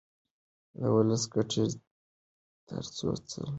د ولس ګټې تر هر څه لوړې دي.